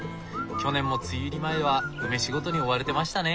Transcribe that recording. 去年も梅雨入り前は梅仕事に追われてましたね。